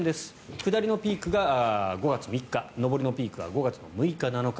下りのピークが５月３日上りのピークが５月６日、７日。